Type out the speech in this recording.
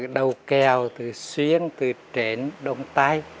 đầu keo từ xuyến từ trễn đông tai